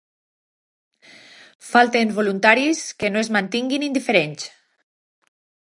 Falten voluntaris que no es mantinguin indiferents.